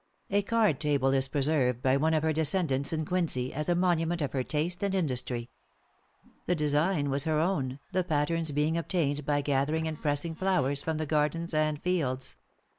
A card table is preserved by one of her descendants in Quincy, as a monument of her taste and industry. The design was her own, the patterns being obtained by gathering and pressing flowers from the gardens and fields.